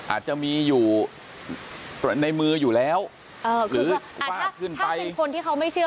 อาจจะมีอยู่ในมืออยู่แล้วเอ่อคือว่าอ่าถ้าถ้าเป็นคนที่เขาไม่เชื่อ